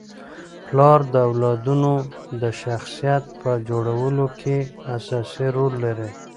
پلار د اولادونو د شخصیت په جوړولو کي اساسي رول لري.